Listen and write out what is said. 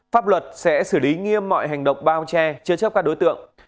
pháp luật sẽ xử lý nghiêm mọi hành động bao che chế chấp các đối tượng